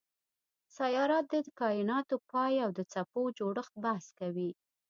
سیارات د کایناتو پای او د څپو جوړښت بحث کوي.